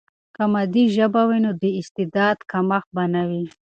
که مادي ژبه وي، نو د استعداد کمښت به نه وي.